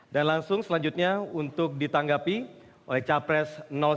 dan langsung selanjutnya untuk ditanggapi oleh capres satu